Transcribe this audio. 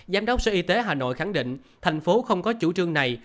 giám đốc sở y tế hà nội khẳng định thành phố không có chủ trương này